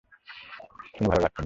শুনে ভালো লাগছেনি?